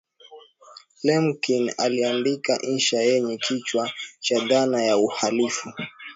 lemkin aliandika insha yenye kichwa cha dhana ya uhalifu